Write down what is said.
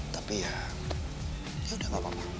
tapi ya udah gak apa apa